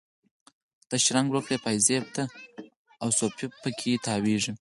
ته شرنګ ورکړي پایزیب ته، او صوفي په کې تاویږي